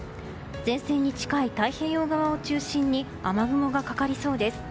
前線に近い太平洋側を中心に雨雲がかかりそうです。